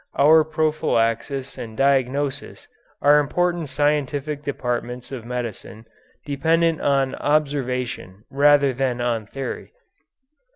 Our prophylaxis and diagnosis are important scientific departments of medicine dependent on observation rather than on theory.